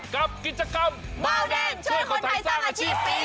กับกิจกรรมเบาแดงช่วยคนไทยสร้างอาชีพปี๒